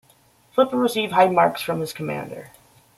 Flipper received high marks from his commander.